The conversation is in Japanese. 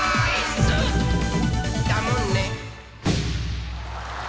だもんね。